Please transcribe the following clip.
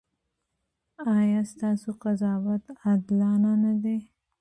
ایا ستاسو قضاوت عادلانه نه دی؟